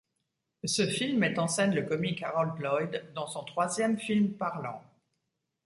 Ce film met en scène le comique Harold Lloyd dans son troisième film parlant.